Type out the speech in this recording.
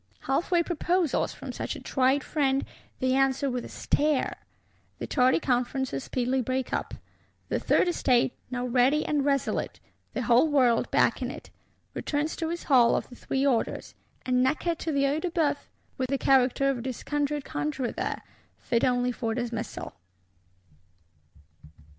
Half way proposals, from such a tried friend, they answer with a stare. The tardy conferences speedily break up; the Third Estate, now ready and resolute, the whole world backing it, returns to its Hall of the Three Orders; and Necker to the Œil de Bœuf, with the character of a disconjured conjuror there—fit only for dismissal.